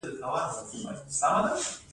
د ونو شاخه بري مسلکي کیږي.